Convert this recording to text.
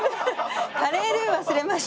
カレールー忘れました。